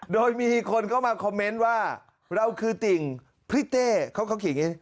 โดยมีคนเข้ามาคอมเมนต์ว่าเราคือติ่งพี่เต้เขาเขียนอย่างนี้